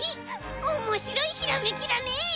おもしろいひらめきだね！